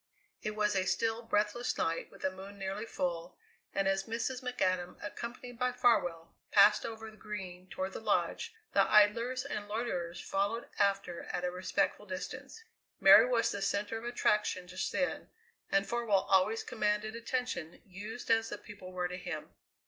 It was a still, breathless night, with a moon nearly full, and as Mrs. McAdam, accompanied by Farwell, passed over the Green toward the Lodge, the idlers and loiterers followed after at a respectful distance. Mary was the centre of attraction just then, and Farwell always commanded attention, used as the people were to him.